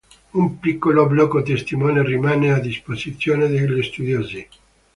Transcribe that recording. Un piccolo blocco-testimone rimane a disposizione degli studiosi.